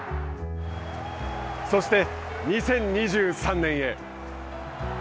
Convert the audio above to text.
そして、２０２３年へ。